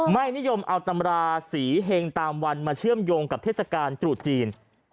ไม่ยอมเอาตำราสีเห็งตามวันมาเชื่อมโยงกับเทศกาลตรุษจีน